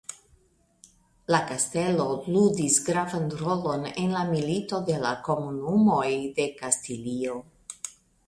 La kastelo ludis gravan rolon en la Milito de la Komunumoj de Kastilio.